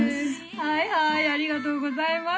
はいはいありがとうございます。